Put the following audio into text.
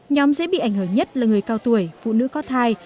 nhóm dễ bị ảnh hưởng nhất là người cao tuổi phụ nữ có thai